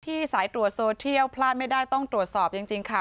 สายตรวจโซเทียลพลาดไม่ได้ต้องตรวจสอบจริงค่ะ